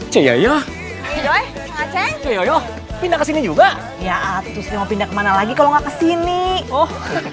coy coy coy pindah ke sini juga ya atuh mau pindah ke mana lagi kalau nggak kesini oh